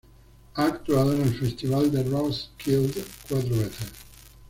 Ha actuado en el Festival de Roskilde cuatro veces.